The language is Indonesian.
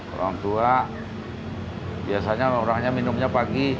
orang tua biasanya orangnya minumnya pagi